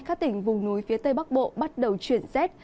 các tỉnh vùng núi phía tây bắc bộ bắt đầu chuyển rét